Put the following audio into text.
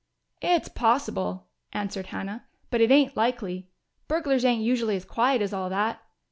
"It's possible," answered Hannah. "But it ain't likely. Burglars ain't usually as quiet as all that.